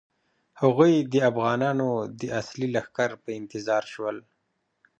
هغوی د افغانانو د اصلي لښکر په انتظار شول.